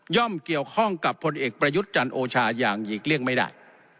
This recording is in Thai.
เกี่ยวข้องกับผลเอกประยุทธ์จันทร์โอชาอย่างหลีกเลี่ยงไม่ได้